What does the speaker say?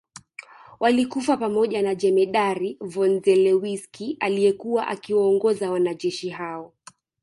Walikufa pamoja na Jemedari von Zelewski aliyekuwa akiwaongoza wanajeshi hao